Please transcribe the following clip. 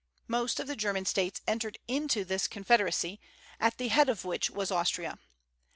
Most of the German States entered into this Confederacy, at the head of which was Austria.